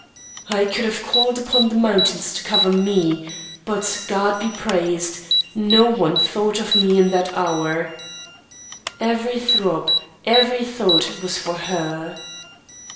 I could have called upon the mountains to cover me; but God be praised no one thought of me in that hour. Every throb, every thought was for her.